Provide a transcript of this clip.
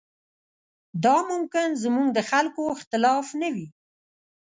دا ممکن زموږ د خلکو اختلاف نه وي.